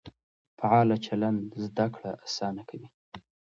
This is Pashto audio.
فعال چلند زده کړه اسانه کوي.